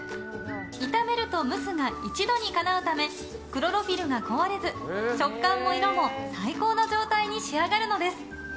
炒めると蒸すが一度にかなうためクロロフィルが壊れず食感も色も最高の状態に仕上がるのです。